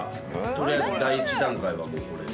とりあえず第１段階はこれで。